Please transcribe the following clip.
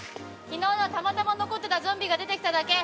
昨日のはたまたま残ってたゾンビが出てきただけ。